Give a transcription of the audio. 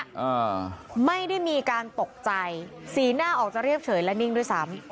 อ่าไม่ได้มีการตกใจสีหน้าออกจะเรียบเฉยและนิ่งด้วยซ้ำ